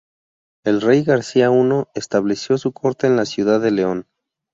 El rey García I estableció su Corte en la ciudad de León.